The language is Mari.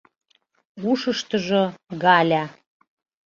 Ушыштыжо — Галя.